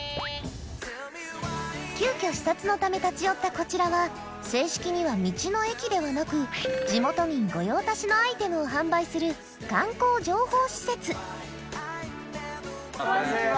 急きょ視察の為立ち寄ったコチラは正式には道の駅ではなく地元民御用達のアイテムを販売する観光情報施設こんにちは。